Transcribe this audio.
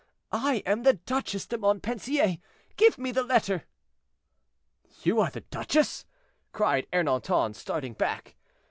I am the Duchesse de Montpensier; give me the letter." "You are the duchesse!" cried Ernanton, starting back.